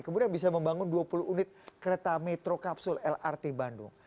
kemudian bisa membangun dua puluh unit kereta metro kapsul lrt bandung